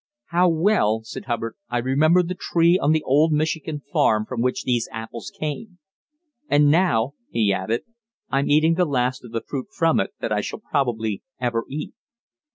"How well," said Hubbard, "I remember the tree on the old Michigan farm from which these apples came! And now," he added, "I'm eating the last of the fruit from it that I shall probably ever eat."